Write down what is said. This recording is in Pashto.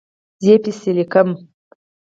زه پیسې لیکم